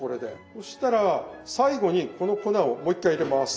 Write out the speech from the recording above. そしたら最後にこの粉をもう一回入れます。